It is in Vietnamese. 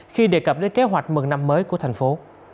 khi đề cập đến kế hoạch mừng năm mới của thành phố